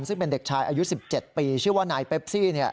ซึ่งเป็นเด็กชายอายุ๑๗ปีชื่อว่านายเปปซี่